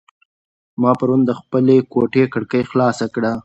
ما پرون د خپلې کوټې کړکۍ خلاصه کړه.